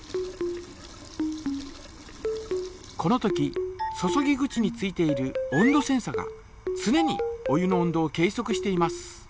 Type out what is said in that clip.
このとき注ぎ口に付いている温度センサがつねにお湯の温度を計そくしています。